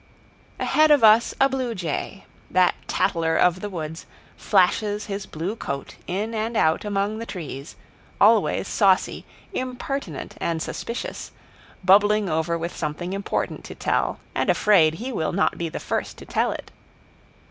Ahead of us a blue jay, that tattler of the woods, flashes his blue coat in and out among the trees; always saucy, impertinent, and suspicious, bubbling over with something important to tell, and afraid he will not be the first to tell it.